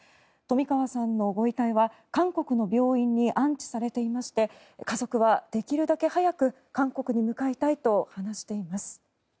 冨川さんのご遺体は韓国の病院に安置されていまして家族はできるだけ早く韓国に向かいたいと話しています。